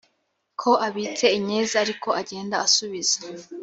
ko abitse inyenzi ariko agenda asubiza